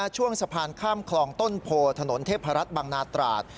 ช่วงสะพานข้ามคลองต้นโพถนนเทพรัฐบังนาตราด